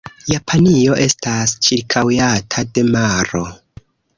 Japanio estas ĉirkaŭata de maro.